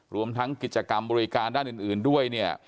รวมทั้งกิจกรรมบริการด้านอื่นด้วยเนี่ย